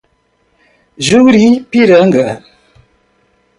Juripiranga